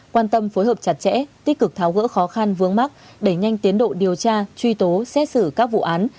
quan tâm phối hợp chặt chẽ tích cực tháo gỡ khó khăn vướng mắt đẩy nhanh tiến độ điều tra truy tố xét xử các vụ án